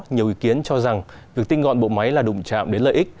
nhiều ý kiến cho rằng việc tinh gọn bộ máy là đụng chạm đến lợi ích